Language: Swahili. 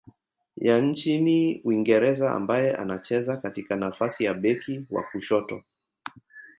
ya nchini Uingereza ambaye anacheza katika nafasi ya beki wa kushoto.